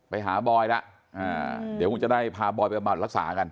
ไปหาบอยแล้วเดี๋ยวคงจะได้พาบอยไปบำบัดรักษากัน